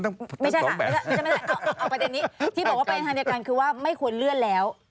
ที่บอกว่าไปในทางเดียวกันคือว่าไม่ควรเลื่อนแล้ว